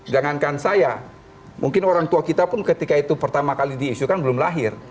jangankan saya mungkin orang tua kita pun ketika itu pertama kali diisukan belum lahir